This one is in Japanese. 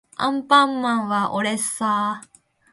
アンパンマンはおれっさー